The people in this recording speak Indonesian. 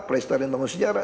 perestarian bangunan sejarah